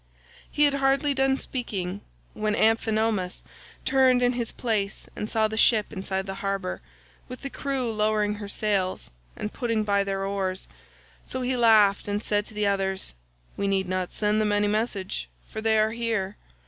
He had hardly done speaking when Amphinomus turned in his place and saw the ship inside the harbour, with the crew lowering her sails, and putting by their oars; so he laughed, and said to the others, "We need not send them any message, for they are here.